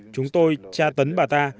chúng tôi tra tấn bà ta